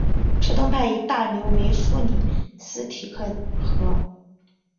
池东派一大流为苏里斯提克河。